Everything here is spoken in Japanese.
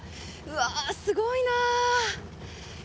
うわすごいなあ。